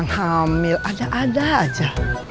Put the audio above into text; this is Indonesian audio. mam sarang ya